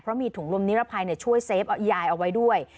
เพราะมีถุงลมนิรภัยช่วยเซฟยายเอาไว้ด้วย